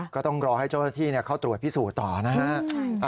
ก็ต้องรอให้เจ้าหน้าที่เข้าตรวจพิสูจน์ต่อนะฮะ